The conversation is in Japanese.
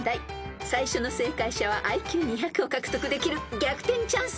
［最初の正解者はＩＱ２００を獲得できる逆転チャンス］